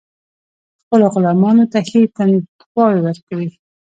خپلو غلامانو ته ښې تنخواوې ورکړي.